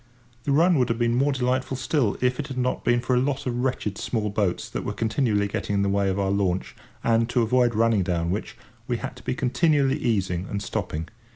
The run would have been more delightful still, if it had not been for a lot of wretched small boats that were continually getting in the way of our launch, and, to avoid running down which, we had to be continually easing and stopping.